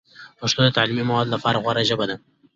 پښتو د تعلیمي موادو لپاره غوره ژبه ده.